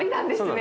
ね